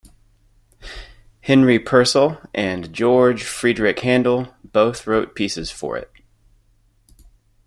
Henry Purcell and George Frideric Handel both wrote pieces for it.